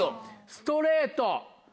ストレート